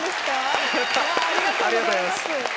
ありがとうございます！